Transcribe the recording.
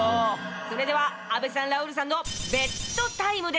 それでは阿部さんラウールさんのＢＥＴＴＩＭＥです。